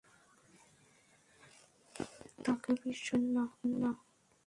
তাকে বিশ্বাস করবেন না।